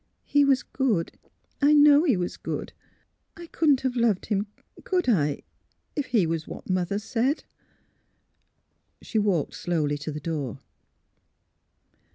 " He was good. I know he was good. I couldn 't have loved him ; could I? if he was what Mother said." She walked slowly to the door.